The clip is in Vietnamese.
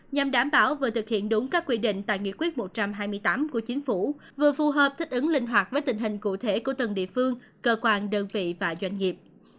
nhằm đảm bảo vừa thực hiện đúng các quy định tại nghị quyết một trăm hai mươi tám của chính phủ vừa phù hợp thích ứng linh hoạt với tình hình cụ thể của từng địa phương cơ quan đơn vị và doanh nghiệp